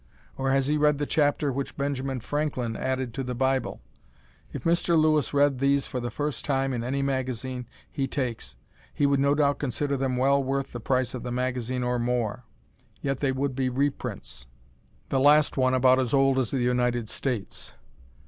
Or has he read the chapter which Benjamin Franklin added to the Bible? If Mr. Lewis read these for the first time in any magazine he takes he would no doubt consider them well worth the price of the magazine or more, yet they would be reprints, the last one about as old as the United States.